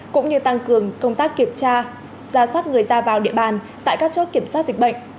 cũng như tăng cường công tác kiểm tra giả soát người ra vào địa bàn tại các chốt kiểm soát dịch bệnh